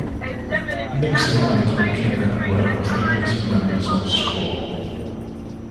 Nixon and McKinna were previous members of Straw.